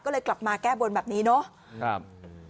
ก็เลยกลับมาแก้บนแบบนี้เนาะ